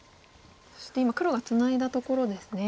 そして今黒がツナいだところですね。